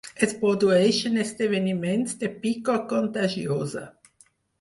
Es produeixen esdeveniments de "picor contagiosa".